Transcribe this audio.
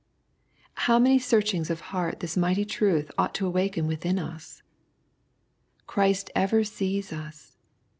How many searchings of heart this mighty truth ought to awaken within us I Christ ever sees us